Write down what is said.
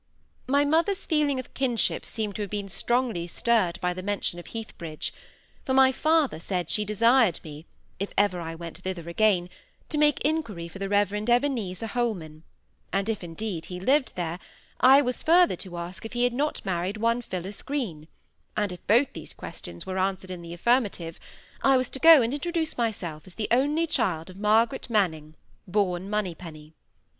My mother's feeling of kinship seemed to have been strongly stirred by the mention of Heathbridge; for my father said she desired me, if ever I went thither again, to make inquiry for the Reverend Ebenezer Holman; and if indeed he lived there, I was further to ask if he had not married one Phillis Green; and if both these questions were answered in the affirmative, I was to go and introduce myself as the only child of Margaret Manning, born Moneypenny.